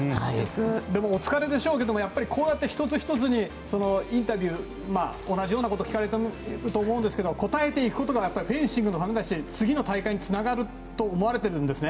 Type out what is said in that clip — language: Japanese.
お疲れでしょうけどもこうやって１つ１つインタビュー、同じようなこと聞かれると思うんですけど答えていくことがフェンシングのためだし次の大会につながると思われてるんですね？